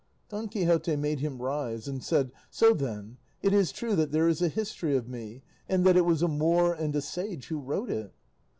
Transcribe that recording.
Don Quixote made him rise, and said, "So, then, it is true that there is a history of me, and that it was a Moor and a sage who wrote it?"